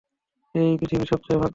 তুই পৃথিবীর সবচেয়ে ভাগ্যবান।